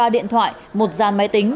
hai mươi ba điện thoại một dàn máy tính